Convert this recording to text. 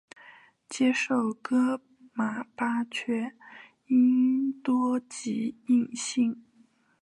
接受噶玛巴却英多吉印信。